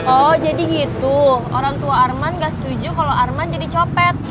oh jadi hitung orang tua arman gak setuju kalau arman jadi copet